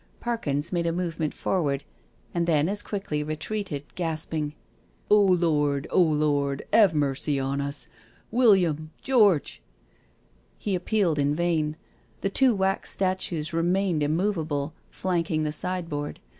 Parkins made a movement forward, and then as quickly retreated, gasping: "Oh Lord, oh Lord, 'ave mercy upon us I William I George I' ^ He appealed in vain. The two wax statues remained immovable, flanking the sidebx>ard.